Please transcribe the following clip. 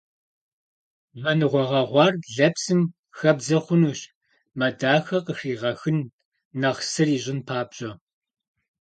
Вэныгъуэ гъэгъуар лэпсым хэбдзэ хъунущ, мэ дахэ къыхригъэхын, нэхъ сыр ищӏын папщӏэ.